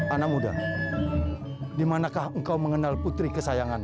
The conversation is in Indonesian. anak muda dimanakah engkau mengenal putri kesayangan